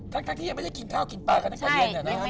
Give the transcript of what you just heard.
ทั้งที่ยังไม่ได้กินข้าวกินปลากับนักการเย็น